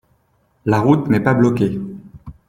La route n'est pas bloquée.